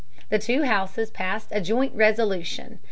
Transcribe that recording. The two houses passed a joint resolution.